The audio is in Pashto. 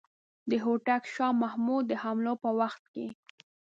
د هوتک شاه محمود د حملو په وخت کې.